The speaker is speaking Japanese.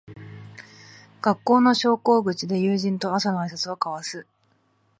学校の昇降口で友人と朝のあいさつを交わす